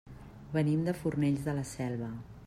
Venim de Fornells de la Selva.